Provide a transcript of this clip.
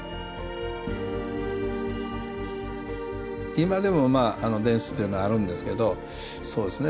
今でもまあ殿司というのはあるんですけどそうですね